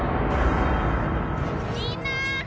みんな！